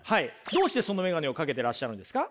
どうしてそのメガネをかけてらっしゃるんですか？